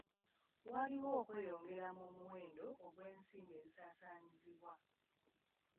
Waliwo okweyongera mu muwendo gw'ensimbi ezisaasaanyizibwa.